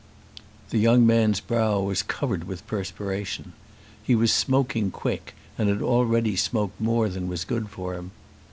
The young man's brow was covered with perspiration. He was smoking quick and had already smoked more than was good for him.